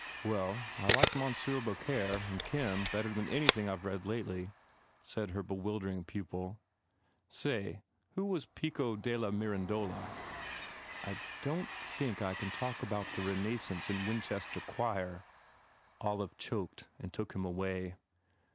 "Well, I like Monsieur Beaucaire and Kim better n anything I ve read lately," said her be wildering pupil, "Say, who was Pico della Miran dola?" "I don t think I can talk about the Renascence in Winchester choir," Olive choked and took him away.